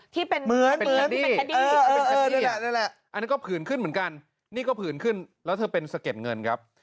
เหมือนที่เป็นคัดดี้อันนี้ก็ผื่นขึ้นเหมือนกันนี่ก็ผื่นขึ้นแล้วเธอเป็นเสร็จเงินครับ